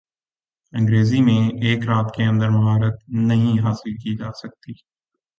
انگریزی میں ایک رات کے اندر مہارت نہیں حاصل کی جا سکتی